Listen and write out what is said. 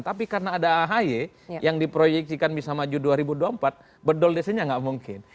tapi karena ada ahy yang diproyeksikan bisa maju dua ribu dua puluh empat berdol desinya nggak mungkin